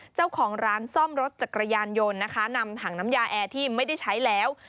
เจ้าของร้านซ่อมรถจักรยานยนต์นะคะนำถังน้ำยาแอร์ที่ไม่ได้ใช้แล้ว